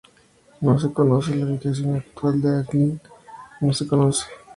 No se conoce la ubicación actual de Anglin no se conoce.